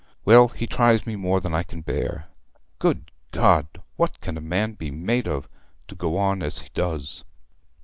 'Well, he tries me more than I can bear. Good God! what can a man be made of to go on as he does?